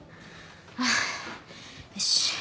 ああよし。